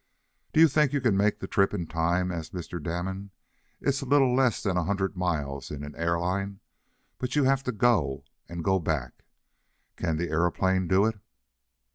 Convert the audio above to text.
"Do you think you can make the trip in time?" asked Mr. Damon. "It is a little less than a hundred miles in an airline, but you have to go and go back. Can the aeroplane do it?"